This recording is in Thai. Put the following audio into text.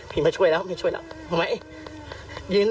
ผิดมาช่วยแล้วไม่ช่วยแล้วเอาไหม